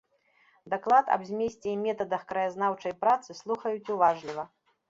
Даклад аб змесце і метадах краязнаўчай працы слухаюць уважліва.